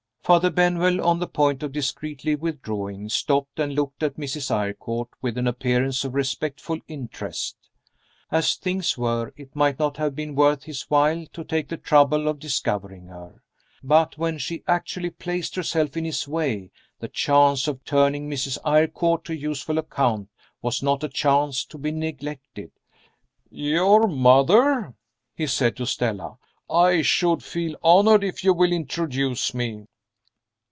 Father Benwell, on the point of discreetly withdrawing, stopped, and looked at Mrs. Eyrecourt with an appearance of respectful interest. As things were, it might not have been worth his while to take the trouble of discovering her. But when she actually placed herself in his way, the chance of turning Mrs. Eyrecourt to useful account was not a chance to be neglected. "Your mother?" he said to Stella. "I should feel honored if you will introduce me."